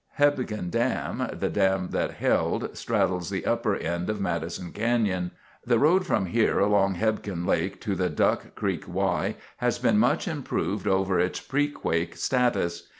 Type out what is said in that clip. Hebgen Dam, the dam that held, straddles the upper end of Madison Canyon. The road from here along Hebgen Lake to the Duck Creek Y has been much improved over its pre quake status.